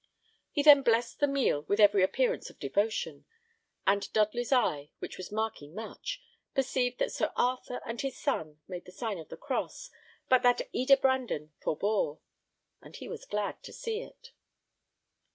He then blessed the meal with every appearance of devotion; and Dudley's eye, which was marking much, perceived that Sir Arthur and his son made the sign of the cross, but that Eda Brandon forbore; and he was glad to see it.